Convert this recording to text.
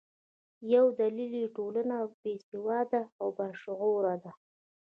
یو دلیل یې ټولنه باسواده او باشعوره ده.